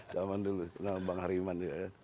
zaman dulu bang hariman